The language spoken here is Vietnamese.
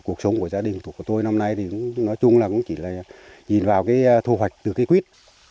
cuộc sống của gia đình của tôi năm nay thì nói chung là cũng chỉ là nhìn vào cái thu hoạch từ cái quyết